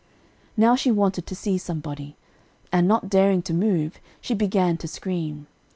Now she wanted to see somebody, and, not daring to move, she began to scream.